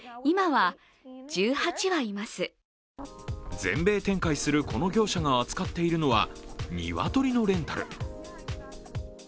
全米展開するこの業者が扱っているのは鶏のレンタル。